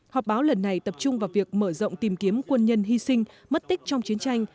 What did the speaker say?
họp báo lần này tập trung vào việc mở rộng tìm kiếm quân nhân hy sinh mất tích trong chiến tranh